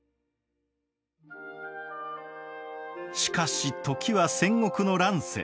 しかし時は戦国の乱世。